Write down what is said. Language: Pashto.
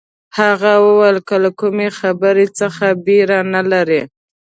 هغه وویل که له کومې خبرې څه بېره نه لرئ.